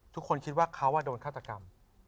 ทุกคนคิดว่าเขาโดนฆาตกรรม